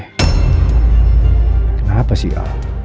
kenapa sih al